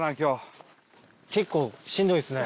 結構しんどいですね。